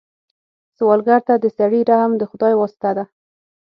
سوالګر ته د سړي رحم د خدای واسطه ده